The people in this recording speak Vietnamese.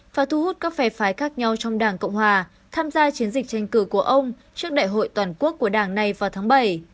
và thu hút các phè phái khác nhau trong đảng cộng hòa tham gia chiến dịch tranh cử của ông trước đại hội toàn quốc của đảng này vào tháng bảy